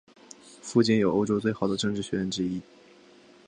附近有欧洲最好的政治学院之一。